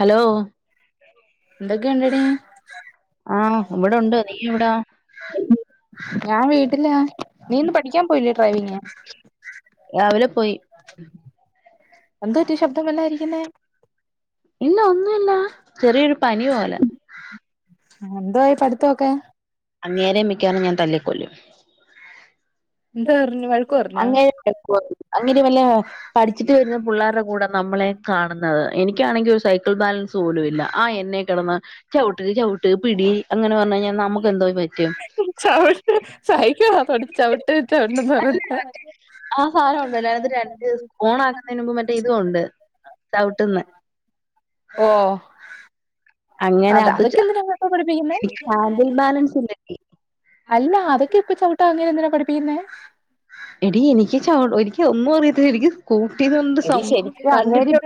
Hello എന്തൊക്കെ ഇണ്ടെടി ആഹ് ഇവിടൊണ്ട് [unintelligible] എവിടാ? ഞാൻ വീട്ടിലാ നീ ഇന്ന് പഠിക്കാൻ പോയില്ലേ ഡ്രൈവിംഗ്? രാവിലെ പോയി എന്ത് പറ്റി ശബ്ദം വല്ലാതെ ഇരിക്കുന്നേ? ഇല്ല ഒന്നുല്ല ചെറിയൊരു പനി പോലെ ആഹ് എന്തോയി പഠിത്തൊക്കെ അങ്ങേരേ മിക്കവാറും ഞാൻ തല്ലിക്കൊല്ലും എന്തോറഞ്ഞ്? അങ്ങേരു [unintelligible] അങ്ങേരു വല്ല പഠിച്ചിട്ട് വരുന്ന പിള്ളേരുടെ കൂടെ നമ്മളെ കാണുന്നത് എനിക്കാണെങ്കി ഒരു സൈക്കിൾ ബാലൻസ് സ് പോലും ഇല്ല ആ എന്നെ കെടന്ന് ചവിട്ട് ചവിട്ട് പിടി അങ്ങനെ പറഞ്ഞ് കഴിഞ്ഞാ നമ്മക്ക് എന്തോ പറ്റും ചവിട്ട് സൈക്കിൾ ആണോടി ചവിട്ട് ചവിട്ടെന്ന് പറയുന്നേ ആ സാധനം ഒണ്ടല്ലോ അതിനാത്ത് രണ്ട് ഓൺ ആക്കുന്നതിന് മുമ്പ് മറ്റേ ഇതും ഒണ്ട് ചവിട്ടുന്നെ അങ്ങനെ അതെ അത് അതൊക്കെ എന്തിനാ ഇപ്പൊ പഠപ്പിക്കുന്നെ ഹാൻഡിൽ ബാലൻസ് ഇല്ലെടി അല്ല അതൊക്കെ ഇപ്പ ചവിട്ടാൻ അങ്ങേര് എന്തിനാ പഠിപ്പിക്കുന്നെ എടി എനിക്ക് ചവി എനിക്ക് ഒന്നും അറിയത്തില്ല എനിക്ക് സ്കൂട്ടീന്ന് പറഞ്ഞ എടി സംഭവം ശരിക്കും അങ്ങേര് കണ്ടിട്ട്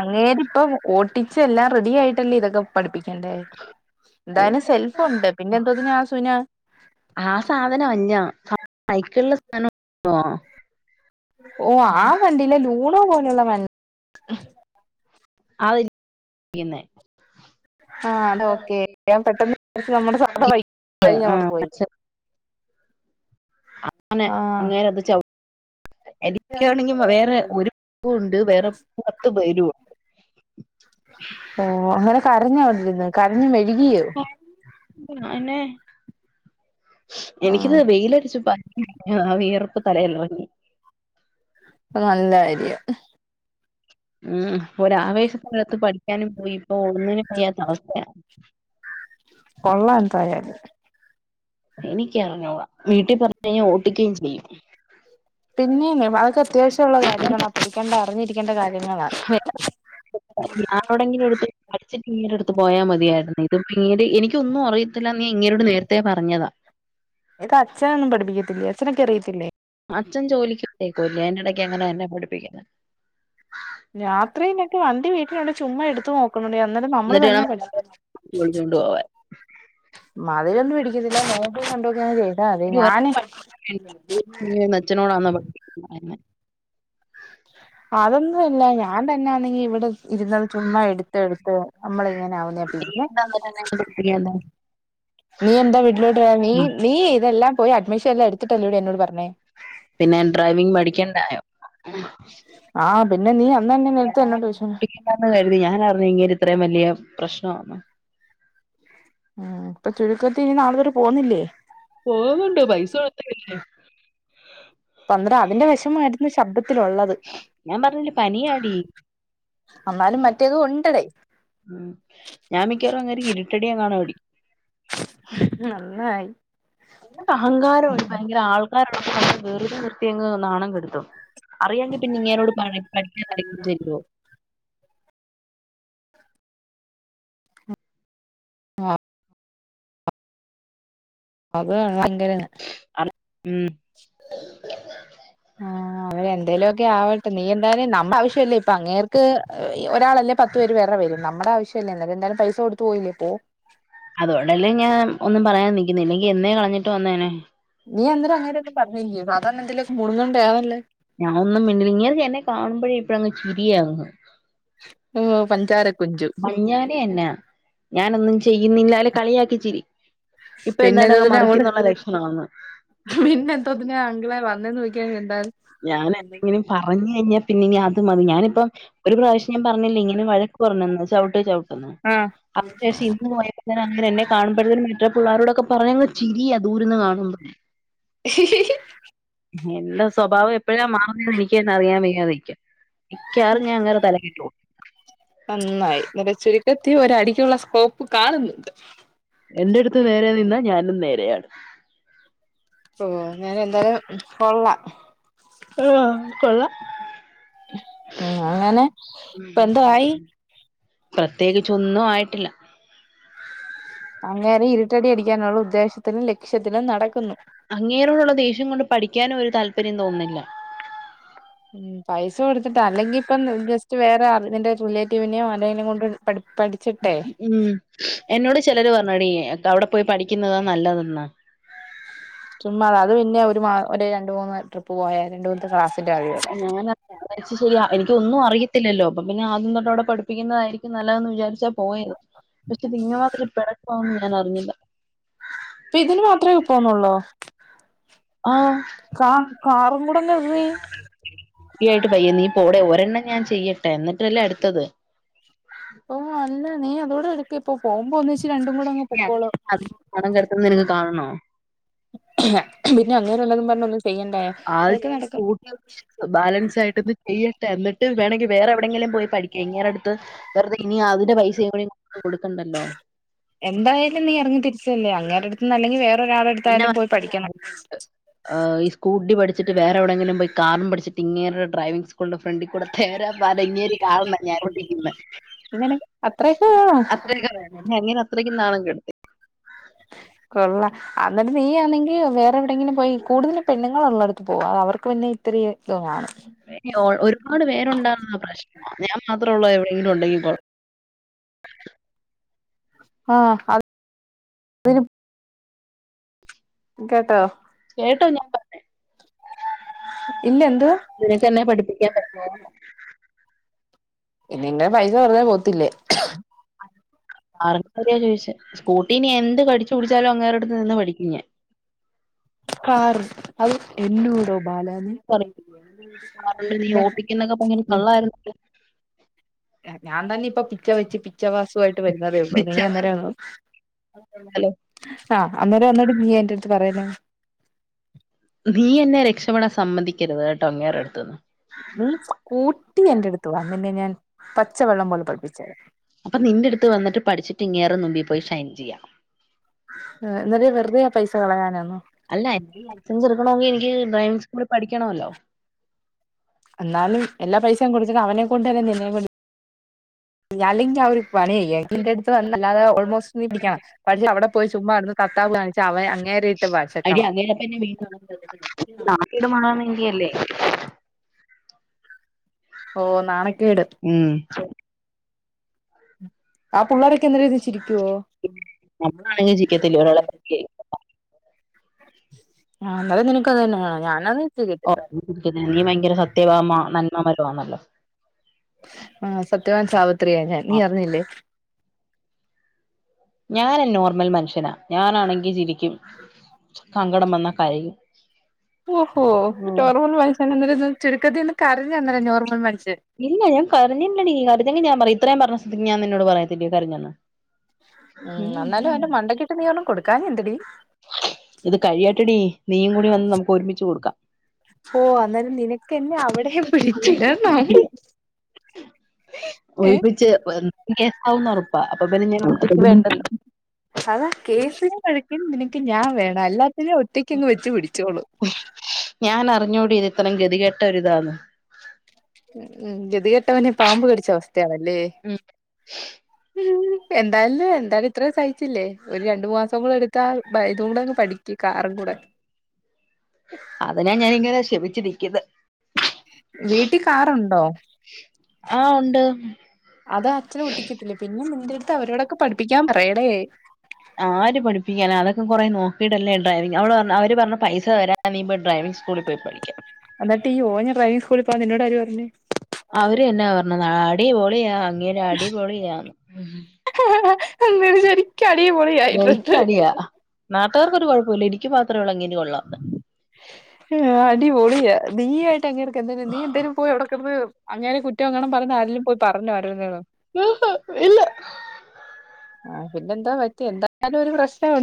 അങ്ങേരിപ്പം ഓട്ടിച്ച് എല്ലാം റെഡി ആയിട്ടല്ലേ ഇതൊക്കെ പഠിപ്പിക്കണ്ടേ എന്തായാലും സെൽഫൊണ്ട് പിന്നെ എന്തോത്തിനാ ആഹ് സുന ആ സാധനം അല്ല ആ [unintelligible] സാധനം [unintelligible] ഓഹ് ആ വണ്ടില്ലേ ലൂണോ പോലുള്ള വണ്ടി [unintelligible] [unintelligible] ആ അത് ഓക്കെ ഞാൻ പെട്ടെന്ന് നമ്മുടെ സാധാ ബൈക്ക് ഞാൻ ഓർത്തു ആഹ് പോയി പച്ചപ്പ് അങ്ങനെ ആ അങ്ങേരത് ചവി [inaudible] എനിക്കാണെങ്കി വേറെ ഒരു [unintelligible] ഉണ്ട് വേറെ [unintelligible] പത്ത് പേരു ഓഹ് അങ്ങനെ കരഞ്ഞോവിടെരുന്ന് കരഞ്ഞ് മെഴുകിയോ? ആഹ് [unintelligible] ആ എനിക്കിത് വെയില് അടിച്ചു [unintelligible] ആ വെയർപ്പ് തലയിലെറങ്ങി അത് നല്ല കാര്യാ ഉം ഒര് ആവേശത്തിനാത്ത് പഠിക്കാനും പോയി ഇപ്പോ ഒന്നിനും വയ്യാത്ത അവസ്ഥയാ കൊള്ളാ എന്തായാലും എനിക്കറിഞ്ഞൂടാ വീട്ടി പറഞ്ഞ് കഴിഞ്ഞാ ഓട്ടിക്കുകയും ചെയ്യും പിന്നെ [unintelligible] അതൊക്കെ അത്യാവശ്യമുള്ള കാര്യങ്ങളാ പഠിക്കേണ്ട അറിഞ്ഞിരിക്കേണ്ട കാര്യങ്ങളാ ആരോടെങ്കിലും എടുത്ത് [unintelligible] പോയാ മതിയായിരുന്നേ പിന്നീട് എനിക്കൊന്നും അറിയത്തില്ലാന്ന് ഞാൻ ഇങ്ങേരോട് നേരത്തെ പറഞ്ഞതാ അതൊക്കെ അച്ഛനൊന്നും പഠിപ്പിക്കത്തില്ലേ അച്ഛനൊക്കെ അറിയത്തില്ലേ അച്ഛൻ ജോലിക്ക് പോയേക്കുവല്ലേ അയിനെടയ്ക്ക് എങ്ങനാ എന്നെ പഠിപ്പിക്കുന്നെ രാത്രിയിലൊക്കെ വണ്ടി വീട്ടിലൊണ്ടെ ചുമ്മാ എടുത്തു നോക്ക് ക്കുന്നുണ്ടെ അന്നേരം നമ്മള് എന്നിട്ട് തന്നെ വേണം പഠിച്ച് വിളിച്ചുകൊണ്ട് പോവാൻ മതിലൊന്നും ഇടിക്കുന്നില്ല നോക്കീം കണ്ടുവൊക്കെ അങ്ങ് ചെയ്യ് അതാ അതെ ഒരു വർഷം ഞാന് അങ്ങനെ അതൊന്നും ഇല്ല ഞാൻ തന്നെയാണെങ്കി ഇവിടെ ഇരുന്ന് ചുമ്മത് എടുത്ത് എടുത്ത് നമ്മള ഇങ്ങനെ ആവുന്ന പിന്നെ നീ എന്താ വീട്ടിലോട്ട് നീ നീ ഇതെല്ലാം പോയി അഡ്മിഷൻ എല്ലാം എടുത്തിട്ടല്ലോ ടി എന്നോട് പറഞ്ഞേ പിന്നെ ഡ്രൈവിങ് പടിക്കണ്ടായോ ആഹ് പിന്നെ നീ അന്ന് തന്നെ നിർത്ത എന്നോട് ചോ ദിച്ചു [unintelligible] കരുതി ഞാൻ അറിഞ്ഞ ഇങ്ങേര് ഇത്രയും വലിയ പ്രശ്നം ആന്ന് ഉ ഇപ്പൊ ചുരുക്കത്തി ഇനി നാളെ വരെ പോകുന്നില്ലേ പോവുന്നുണ്ട് പൈസ കൊടുത്തേക്കുവല്ലേ തന്ത്ര അതിന്റെ വിശമായിരുന്നു ശബ്ദത്തിലുള്ളത് ഞാൻ പറഞ്ഞില്ല പനിയാടി അന്നാലും മറ്റേത് ഉണ്ടടേ ഉം ഞാൻ മിക്കവാറും അങ്ങേരെ ഇരുട്ടടി എങ്ങാനും അടി നന്നായി അഹങ്കാര ഭയങ്കര ആൾക്കാരൊള്ള സ്ഥലത്ത് വെറുതെ നിർ ത്തി അങ്ങ് നാണം കെടുത്തും അറിയാങ്കിൽ പിന്നെ ഇങ്ങേരോട് പഠിക്കാൻ വരുല്ലല്ലോ ആഹ് അതാണ് ഭയങ്കര ഇത് അ ഉ ആ അവരെന്തേലും ഒക്കെ ആവട്ടെ നീ എന്തായാലും നമ്മുടെ ആവശ്യമല്ലേ ഇപ്പൊ അങ്ങേർക്ക് ഒരാളല്ലേ പത്ത് പേര് വേ റെവരും നമ്മുടെ ആവശ്യമല്ലേ എന്നാലുംന്തായാലും പൈസ കൊടുത്ത് പോയില്ലേ പോ അതോണ്ടല്ലേ ഞാൻ ഒന്നും പറയാൻ നിക്കുന്ന ഇല്ലെങ്കിൽ എന്നേ കളഞ്ഞിട്ട് വന്നേനെ നീ അന്നേരം അങ്ങനെയൊക്കെ പറഞ്ഞില്ലേ സാധാരണ എന്തെലും മുടങ്ങണ്ട ആണല്ലോ കാണുമ്പോഴെ ഇപ്പളങ്ങ് യിരിയാവുന്നു ഓ പഞ്ചാര കുട്ടി ഇഞ്ഞോലേ എന്നാ ഞാനൊന്നും ചെയ്യുന്നില്ലാലെ കളിയാക്കിച്ചിരി ഇപ്പൊ പിന്നെ എന്താണ്ട് അങ്ങ് എന്തോതിനാ അങ്ങോട്ട് മറിക്കുന്നുള്ള ലക്ഷണന്ന് പിന്നെ എന്തോതിനാ അങ്കിളെ [unintelligible] ഞാൻ എന്തെങ്കിലും പറഞ് കഴിഞ്ഞാൽ പിന്നെ അതും മതി ഞാനിപ്പം ഒരു പ്രാവിശ്യം ഞാൻ പറഞ്ഞില്ലേ ഇങ്ങനെ വഴക്ക് പറഞ്ഞെന്ന് ചവിട്ട് ചവിട്ട്ന്ന് ആഹ് അപ്പം പക്ഷെ ഇന്ന് പോയപ്പോ അങ്ങേര്എന്നെ കാണു ഇപ്പോഴും മറ്റേ പിള്ളോരോടൊക്കെ പറഞ്ഞ ങ്ങ് ചിരിയ അ ദൂരന്ന് കാണുമ്പോ തന്നെ എന്റെ സ്വഭാവം എപ്പോഴാ മാറുന്നേ എനിക്ക് തന്നെ അറിയാൻ വയ്യാതിരിക്ക മിക്കവാറും ഞാൻ അങ്ങേരെ തലക്കെട്ട് കൊ ട്ടും നന്നായി നല്ല ചുരുക്കത്തി ഒര ടിക്കുള്ള സ്കോപ്പ് കാണുന്നുണ്ട് എന്റെ അടുത്ത് നേരെ നിന്നാ ഞാനും നേരെയാണ് ഓ ഞാൻ എന്തായാലും കൊള്ളാം കൊള്ളാം ഉ അങ്ങനെ ഇപ്പ എന്തോ ആയി പ്രത്യേകിച്ചൊന്നും ആയിട്ടില്ല അങ്ങേനെ ഇരുട്ടടി അടിക്കാനുള്ള ഉദ്ദേശത്തിനും ലക്ഷ്യത്തിലും നടക്കുന്നു അങ്ങേരോടുള്ള ദേഷ്യം കൊണ്ട് പഠിക്കാനും ഒരു താല്പര്യം തോന്നുന്നില്ല ഉം പൈസ കൊടുത്തിട്ടാ അല്ലെങ്കി ഇപ്പം ജസ്റ്റ് വേറെ നിറെ റിലേറ്റീവിനെയോ ആരെങ്കിലും കൊണ്ട് പഠി പഠിച്ചിട്ടെ ഉം എന്നോട് ചിലര് പറഞ്ഞോടി അവിടെ പോയി പഠിക്കുന്നതാ നല്ലതെന്ന് ചുമ്മാത അത് പിന്നെ ഒരു മാ രണ്ട് മൂന്ന് ട്രിപ്പ് പോയ രണ്ട് മൂന്നത്തെ ക്ലാസ്സിന്റെ താഴെ ഉള്ളായിരുന്നു പക്ഷെ ശരിയാ എനിക്ക് ഒന്നും അറയില്ലോ അപ്പൊ പിന്നെ ആദ്യം തൊട്ട് അവിടെ പഠിപ്പിക്കുന്നതായിരിക്കും ക്ക് നല്ലതന്ന് വിചാരിച്ചാ പോയത് പക്ഷേതിങ്ങ മാതിരി പിണക്കാവുന്ന് ഞാനറിഞ്ഞില്ല അപ്പൊ ഇതിന് മാത്രമേ പോുന്നുള്ളൂ ആ കാ കാറും കൂടെന്ന് വീ ഫീ ആായിട്ട് പയ്യേ നീ പ്പോടെ ഒരെണ്ണം ഞാൻ ചെയ്യട്ടെ എന്നിട്ടല്ലേ അടുത്തത് ഓ അല്ല നീ അതോടെ എടുക്ക് ഇപ്പൊ പോകുമ്പോ ഒന്നിച്ച് രണ്ടും കൂടെ അങ്ങ് പൊക്കോളും അത് പണം കിടത്തുന്നത് നിനക്ക് കാണണോ പിന്നെ അങ്ങേര് വല്ലതും പറഞ്ഞൊന്നും ചെയ്യണ്ടേ ആദ്യ കൂട്ട ബാലൻസ് ആയിട്ടൊന്ന് ചെയ്യട്ടെ എന്നിട്ട് വേണെങ്കി വേറെ എവിടെങ്കിലും പോയി പഠിക്ക് ഇങ്ങേരടുത്ത് വെറുതെ ഇനി അതിന്റെ പൈസയും കൂടി കൊടുക്കണ്ടല്ലോ എന്തായാലും നീ എറങ്ങി തിരിച്ചല്ലേ അങ്ങേരടുത്ത് നിന്ന് അല്ലെങ്കിൽ വേറെ ഒരാളടുത്തായാലും പോയി പഠിക്കണം ഏ ഈ സ്കൂട്ടി പഠിച്ചിട്ട് വറെവിടെങ്കിലും പോയി കാറും പഠിച്ചിട്ട് ഇങ്ങേരെ ഡ്രൈവിംഗങ്സ് കൂളിന്റെ ഫ്രണ്ടി കൂടെ തേരാ പാര ഇങ്ങേരു കാണുന്ന ഞാനോട്ടിരിക്കന്ന് അങ്ങനൊക്കെ അത്രയൊക്കെ വേണോ അത്രയൊക്കെ അങ്ങന അത്രക്കും നാണം കെടുത്തി കൊള്ള അന്നിട്ട് നീ ആണെങ്കി വേറെ എവിടെങ്കിലും പോയി കൂടുതല് പെണ്ണങ്ങള് ഒള്ളടുത്ത് പോക അത് അവർക്ക് പിന്നെ, ഇത്തരെ ഒക്കെ വേണം ഇനി ഒ- ഒരുപാട് പേരുണ്ടാകുന്ന പ്രശ്നം ഞാൻ മാത്രമുള്ള എവിടെയെങ്കിലും ഉണ്ടെങ്കിൽ കൊള്ളാം ആ അത് കേട്ടോ കേട്ടോ ഞാൻ പറഞ്ഞെ ഇല്ല എന്ത്? നിനക്ക് എന്നെ പഠിപ്പിക്കാൻ പറ്റും ഇതിന്റെ പൈസ വെറുതെ പോത്തില്ലേ അറിഞ്ഞരിയോ ചോദിച്ചത് സ്കൂട്ടി ഇനി എന്ത് കഠിച്ച് പിടിച്ചാലോ അങ്ങേരുടുത്ത് നിന്ന് പഠിക്കും ഞൻ കാറ് അത് എന്നോടോ ബാലാനി പറയും അതുകൊണ്ട് നീ എന്നാ ശരി ഓട്ടിക്കുന്നൊക്കെ ഭയങ്കര കള്ളായിരുന്നല്ലോ ഞാൻ ന്നാ ഇനി പ്പൊ പിച്ച വെച്ച് പിച്ചവാസു ആയിട്ട് വരുന്നതേ ഉള്ളൂ നീ വിളിച്ചറിഞ്ഞല്ലോ അന്നേരാണ് ആ അന്നേര വന്നടീ നീ എന്റെ അടുത്ത് പറയുന്നെ നീ എന്നെ രക്ഷപ്പെടാൻ സമ്മതിക്കരുത് കേട്ടോ അങ്ങേരടുത്തുന്ന് ഉം സ്കൂട്ടി എന്റെടുത്ത് വാ നിന്നെ ഞാൻ പച്ചവെള്ളം പോലെ പഠിപ്പിച്ചേരാ അപ്പൊ നിന്റെറടുത്ത് വന്നിട്ട് പഠിച്ചിട്ട് ഇങ്ങേറെ മുമ്പിപോയി ഷൈൻ ചെയ്യാം ആ എന്നിട്ട് വെറുതെ ആ പൈസ കളയാനാന്നോ അല്ല എനിക്ക് ലൈസൻസ് എടുക്കണോങ്കി എനിക്ക് ഡ്രൈവിംഗ് സ്കൂളിൽ പഠിക്കണോല്ലോ എന്നാലും എല്ലാ പൈസയും കൊടുത്തിട്ട് അവനെ കൊണ്ടന്നെ നിന്നെയും അല്ലെങ്കി അവര് പറയും ഏട്ടന്റെറടുത്ത് വന്നല്ലാതെ ഓൾമോസ്റ്റ് നീ പഠിക്കണ പഠിച്ചു അവിടെ പോയി ചുമ്മാ അവിടുന്ന് തത്താവ് കാണിച്ചു അവൻ അങ്ങേരെയിട്ട് വച്ചിട്ടാണ് നാക്കീടെ മണന്ന് ന്തിയല്ലേ ഓ നാണക്കേട് മൂന്നാമത്തേണ് ഉം ആ പുള്ളാരൊക്കെ എന്ത് രീതിച്ചിരിക്കുവോ നമ്മളാണെങ്കിൽ ചിക്കത്തില്ല ഒരാളെ പറ്റി. ആ എന്നാലെ നിനക്കത് തന്നെ വേണം ഞാനത് ത്തു കിട് ഓ നീ ഭയങ്കര സത്യവാമ നന്മമരമാണല്ലോ ആ സത്യവാൻ സാവിത്രിയ ഞാൻ നീ അറിഞ്ഞില്ലേ ഞാന നോർമൽ മനുഷ്യനാ ഞാനാണെങ്കി ചിരിക്കും സങ്കടം വന്നാ കരയും ഓഹോ ഉം. നോർമൽ മനുഷ്യനന്നേരം ചുരുക്കത്തിന്ന് കരഞ്ഞു തന്നേരം നോർമൽ മനുഷ്യൻ ഇല്ല ഞൻ കഞ്ഞില്ലടീ കരഞ്ഞെങ്കി ഞാ പറയും ഇത്രേം പറഞ്ഞ സ്ഥിതിക്ക് ഞാൻ നിന്നോട് പറയത്തില്ലേ കരഞ്ഞെന്ന് ഉം എന്നാലും അവന്റെ മണ്ടക്കിട്ട് നീ ഒരെണം കൊടുക്കാഞ്ഞെന്തടി ഇത് കഴിയാട്ടടി നീയ്യും കൂടി വന്ന് നമുക്ക് ഒരുമിച്ച് കൊടുക്കാം. ഓ അന്നേരം നിനക്കെന്നെ അവിടെയും പിടിച്ചിടണം [inaudible] ഏഹ് ഒരുമിച്ച് കേസാവൂന്ന് ഒറപ്പാ അപ്പൊ പിന്നെ ഞാൻ ഒറ്റയ്ക്ക് വേണ്ടല്ലോ അതാ കേസിനും വഴക്കിനും നിനക്ക് ഞാൻ വേണം. അല്ലാത്തിനും ഒറ്റക്കങ്ങ് വെച്ച് പിടിച്ചോളും. ഞാനറിഞ്ഞോടി ഇത് ഇത്രം ഗതി കെട്ട ഒരിതാന്ന് ഉം ഗതികെട്ടവനെ പാമ്പ് കടിച്ച അവസ്ഥയാണല്ലേ ഉം എന്തായാലും എന്തായാലും ഇത്രേ സഹിച്ചില്ലേ ഒരു രണ്ടു മാസം കൂടെ എടു ത്താൽ ബൈ ഇതും കൂടെ അങ്ങ് പഠിക്ക കാറും കൂടെ അതിനാ ഞാനിങ്ങനെ ക്ഷമിച്ചു നിക്ക്ന്നേ ക് കാറുണ്ടോ ആഹ് ഒണ്ട്. അത് അച്ചന് ഓട്ടിക്കത്തില്ലേ. പിന്നെ നിന്റെടുത്ത് അവരോടൊക്കെ പഠിപ്പിക്കാൻ പറയടേ ആര് പഠിപ്പിക്കാനാ അതൊക്കെ കൊറേ നോക്കീയിട്ടല്ലേ ഡ്രൈവിങ് അവള് പറഞ്ഞ് അവര് പറഞ്ഞ് പൈസ തരാ അന്നിപ്പ ഡ്രൈവിംഗ് സ്കൂളി പോയി പഠിക്കാം അന്ന്ട്ടീ ഓന ഡ്രൈവിങ് സ്കൂളി പോവാ നിന്നോടാര് പറഞ്ഞു അവര് തന്നാ പറഞ്ഞത് അടിപൊളിയാ അങ്ങേര് അടിപൊളിയാന്ന് അങ്ങേര് ശരിക്കടി പൊളി എനിക്ക് ആയിട്ടുണ്ട് മടിയാ നാട്ടുകാർക്കൊരു കുഴപ്പോല്ല ഇനിക്ക് മാത്രോള്ളൂ അങ്ങനെ കൊള്ളാത്ത ഉം അടിപൊളിയാ നീ ആയിട്ട് അങ്ങേർകെന്തി നീ എന്തേലും പോയി അവടെ കെടന്ന് അങ്ങേരെ കുറ്റം അങ്ങാനും പറഞ്ഞ ആരേലും പോയി പറഞ്ഞാ ആരോടെലും ഇല്ല ആഹ് പിന്നെന്താ പറ്റി എന്തായാലും ഒരു പ്രശ്ന ഉ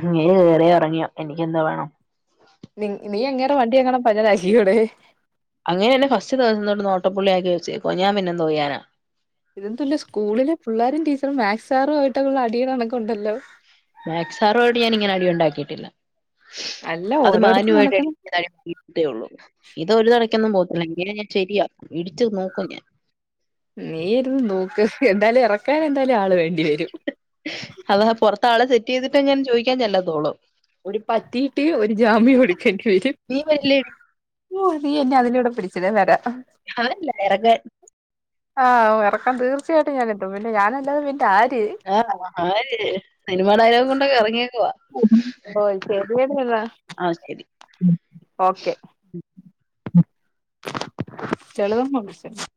അങ്ങേര് കേറിയോ എറങ്ങിയോ എനിക്കെന്തോ വാണം നി നീ അങ്ങേര വണ്ടി എങ്ങന പഞ്ചരാക്കിയോടെ അങ്ങേരെന്നെ ഫസ്റ്റ് ന്ന് നോട്ടപ്പുള്ളി ആക്കി വെച്ചേക്കുവാ ഞാൻ പിന്നെ എന്തോയ്യാനാ ഇതെന്തുല്ലെ സ്കൂളിലെ പിള്ളാരും ടീച്ചറും മാക്സാറും ആയിട്ടൊക്കള്ള അടി കണക്കൂണ്ടല്ലോ മാക്സാറോട് ഞാൻ ഇങ്ങനെ അടി ഉണ്ടാക്കിയിട്ടില്ല. അല്ല അത് ഓരോടത്തും മാന്യമായിട്ട നടക്കണ് അടി ത്തേ ഉള്ളൂ ഇത് ഒരുതടയ്ക്കൊന്നും പോവത്തില്ല ഇങ്ങേരെ ഞാൻ ശരിയാകും ഇടിച്ചു നോക്കും ഞാൻ നീ ഇരുന്നു നോക്ക് എന്തായാലും എറക്കാൻ എന്തായാലും ആള് വേണ്ടി വരും. ത്താളെ സെറ്റ് ചെയ്തിട്ടേ ഞാൻ ചോയ്ക്കാൻ ചെല്ലാത്തൊള്ളൂ ട്ടീ ഒരു ജാമ്യം പിടിക്കേണ്ടി വരും നീ വരില്ലേ നീ എന്നെ അതിലൂടെ പിടി ചിലെ വരാ അവനല്ല വെറക് ആഹ് ഓ എറക്കാൻ തീർച്ചയായിട്ടും ഞാൻ എത്തും പിന്നെ ഞാനല്ലാതെ പിന്നാര്? ഉം ആഹ് ആര് സിനിമ ഡയലോഗ് കൊണ്ടൊക്കെ ഇറങ്ങിയേക്കുവാ ഓ ശരി [unintelligible] ആഹ് ശരി ഉം ഓക്കെ [unintelligible]